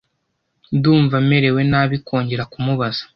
Ndumva merewe nabi kongera kumubaza.